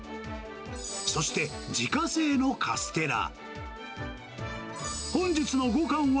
そして、自家製のカステラ。